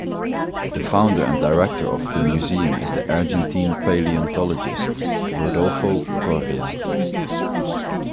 The founder and director of the museum is the Argentine paleontologist Rodolfo Coria.